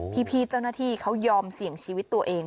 พี่เจ้าหน้าที่เขายอมเสี่ยงชีวิตตัวเอง